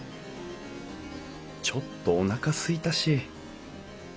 ちょっとおなかすいたし。